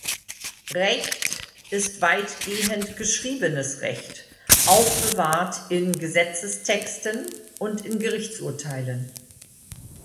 Recht ist weitgehend geschriebenes Recht, aufbewahrt in Gesetzestexten und in Gerichtsurteilen.